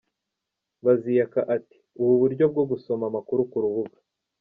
Baziyaka ati Ubu buryo bwo gusoma amakuru ku rubuga.